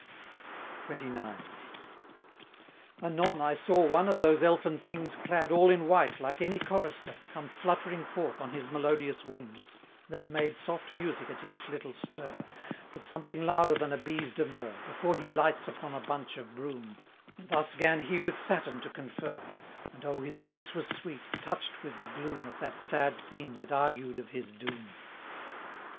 XXIX. Anon I saw one of those elfin things, Clad all in white like any chorister, Come fluttering forth on his melodious wings, That made soft music at each little stir, But something louder than a bee's demur Before he lights upon a bunch of broom, And thus 'gan he with Saturn to confer, And O his voice was sweet, touch'd with the gloom Of that sad theme that argued of his doom!